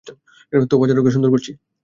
তো পাজারোকে সুন্দর করছি।